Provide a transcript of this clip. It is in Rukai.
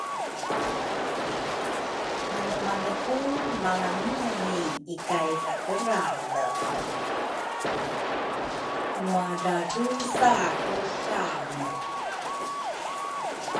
manemane ku malranumi ikay drakerale? nguadradrusa ku kange.